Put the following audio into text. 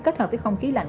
kết hợp với không khí lạnh